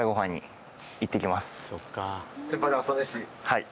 はい。